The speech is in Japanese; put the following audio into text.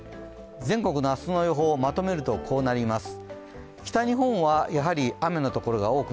全国の明日の予報をまとめるとこうなります。